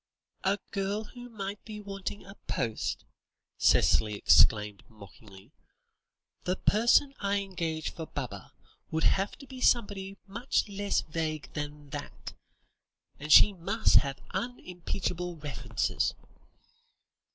"A girl who might be wanting a post," Cicely exclaimed mockingly; "the person I engage for Baba, would have to be somebody much less vague than that, and she must have unimpeachable references."